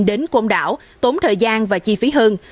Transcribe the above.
đến côn đảo tốn thời gian và chi phí hơn